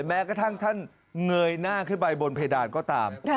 แม้กระทั่งท่านเงยหน้าขึ้นไปบนเพดานก็ตาม